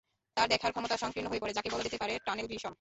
তার দেখার ক্ষমতা সংকীর্ণ হয়ে পড়ে, যাকে বলা যেতে পারে টানেল ভিশন।